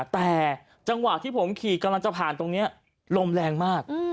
แต่จังหวะที่ผมขี่กำลังจะผ่านตรงนี้ลมแรงมาก